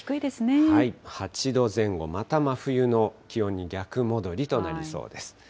８度前後、また真冬の気温に逆戻りとなりそうです。